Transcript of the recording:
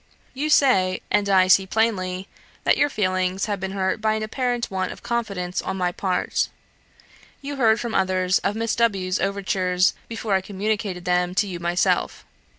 You say, and I see plainly, that your feelings have been hurt by an apparent want of confidence on my part. You heard from others of Miss W 's overtures before I communicated them to you myself.